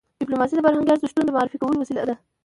ډيپلوماسي د فرهنګي ارزښتونو د معرفي کولو وسیله ده.